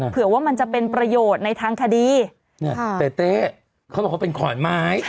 เผื่อว่ามันจะเป็นประโยชน์ในทางคดีเนี่ยเต้เต้เขาบอกว่าเป็นขอนไม้